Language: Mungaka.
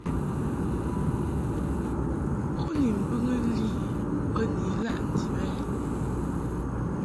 U ni mbɨŋɨ li bə ni ilaʼ ndib ɛ ?